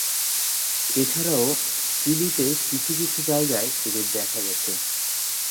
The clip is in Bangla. এছাড়াও চিলিতে কিছু কিছু জায়গায় এদের দেখা গেছে।